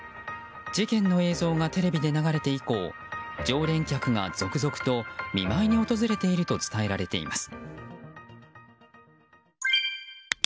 事件の映像がテレビで流れて以降常連客が続々と、見舞いに訪れていると伝えられています。